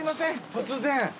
突然。